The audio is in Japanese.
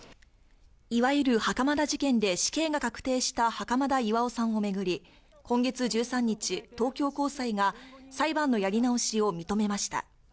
いわゆる袴田事件で死刑が確定した袴田巌さんを巡り、今月１３日、東京高裁が裁判のやり直しを認めました。